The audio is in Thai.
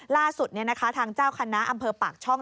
ล่าสุดเนี่ยนะคะทางเจ้าคณะอำเภอปากช่อง